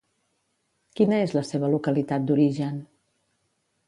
Quina és la seva localitat d'origen?